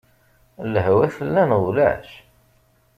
Lehwa tella neɣ ulac?